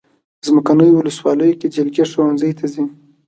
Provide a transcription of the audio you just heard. څمکنیو ولسوالۍ کې جلکې ښوونځی ته ځي.